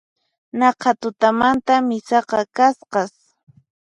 Naqha tutamanta misaqa kasqas